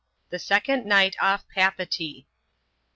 The second Night off Papeetee.